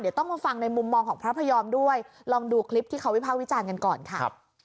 เดี๋ยวต้องมาฟังในมุมมองของพระพยอมด้วยลองดูคลิปที่เขาวิภาควิจารณ์กันก่อนค่ะ